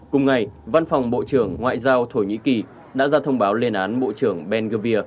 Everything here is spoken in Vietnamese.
cùng ngày văn phòng bộ trưởng ngoại giao thổ nhĩ kỳ đã ra thông báo lên án bộ trưởng ben govir